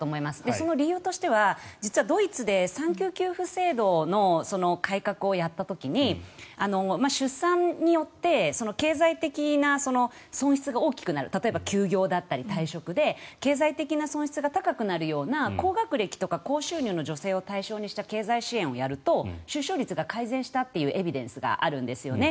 その理由としては実はドイツで産休給付制度の改革をやった時に出産によって経済的な損失が大きくなる例えば休業だったり退職で経済的な損失が高くなるような、高学歴とか高収入の女性を対象にした経済支援をやると出生率が改善したというエビデンスがあるんですよね。